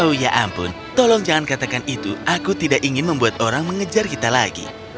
oh ya ampun tolong jangan katakan itu aku tidak ingin membuat orang mengejar kita lagi